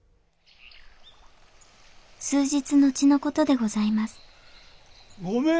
数日後の事でございます・ごめん！